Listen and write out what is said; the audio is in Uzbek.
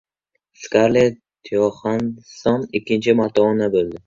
Skarlett Yoxansson ikkinchi marta ona bo‘ldi